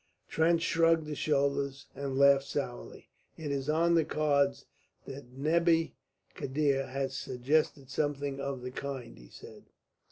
Trench shrugged his shoulders and laughed sourly. "It is on the cards that Nebbi Khiddr has suggested something of the kind," he said.